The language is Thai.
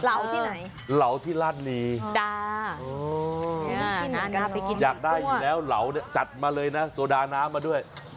เหล่าที่ไหนเหลาที่ราชลีจ้าไปกินอยากได้อยู่แล้วเหลาเนี่ยจัดมาเลยนะโซดาน้ำมาด้วย